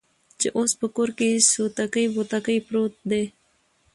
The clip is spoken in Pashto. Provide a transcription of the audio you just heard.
چې اوس په کور کې سوتکى بوتکى پروت دى.